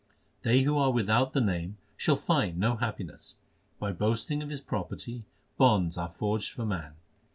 They who are without the Name shall find no happiness. By boasting of his property, bonds are forged for man.